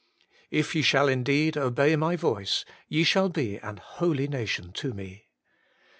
' If ye shall indeed obey my voice, ye shall be an holy nation to me.'